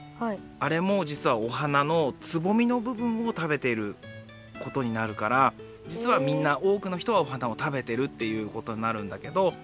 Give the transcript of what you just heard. あれもじつはお花のつぼみの部分を食べていることになるからじつはみんなおおくのひとはお花を食べてるっていうことになるんだけど。